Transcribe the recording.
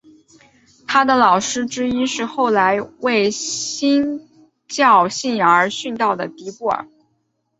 他的老师之一是后来为新教信仰而殉道的迪布尔。